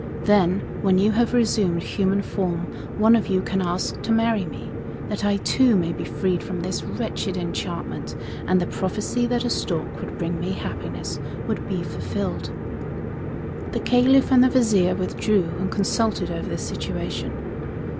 Then, when you have resumed human form, one of you can ask to marry me, that I too may be freed from this wretched enchantment; and the prophecy that a stork would bring me happiness would be fulfilled." The Caliph and the Vizier withdrew and consulted over the situation.